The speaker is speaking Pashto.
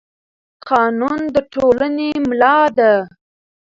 قانون د ټولنې ملا ده